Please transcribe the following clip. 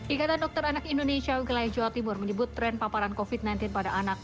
ikatan dokter anak indonesia ugelai jawa timur menyebut tren paparan covid sembilan belas pada anak